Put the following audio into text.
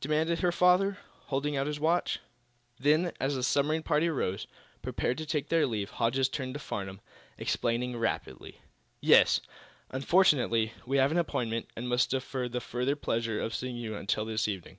demanded her father, holding out his watch. Then, as the submarine party rose, prepared to take their leave, Hodges turned to Farnum, explaining rapidly: "Yes; unfortunately, we have an appointment, and must defer the further pleasure of seeing you until this evening.